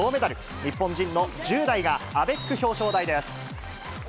日本人の１０代が、アベック表彰台です。